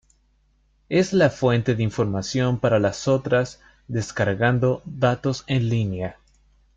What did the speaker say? Es la fuente de información para las otras, descargando datos en línea.